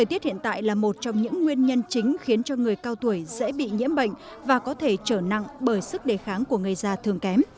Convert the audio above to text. bệnh viện hiễu nghị hà nội là một trong những nguyên nhân chính khiến cho người cao tuổi dễ bị nhiễm bệnh và có thể trở nặng bởi sức đề kháng của người già thường kém